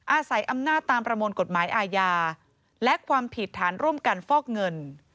อาศัยอำนาจตามประมวลกฎหมายอาญาและความผิดฐานร่วมกันฟอกเงิน